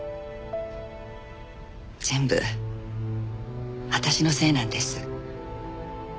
全部私のせいなんです。